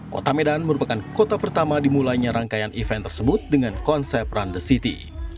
kota medan merupakan kota pertama dimulainya rangkaian event tersebut dengan konsep run the city